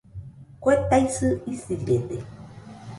Kue taisɨ isirede